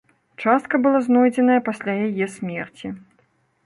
Частка была знойдзеная пасля яе смерці.